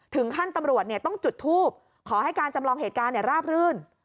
ตำรวจต้องจุดทูบขอให้การจำลองเหตุการณ์ราบรื่น